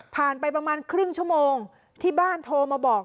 ไปประมาณครึ่งชั่วโมงที่บ้านโทรมาบอก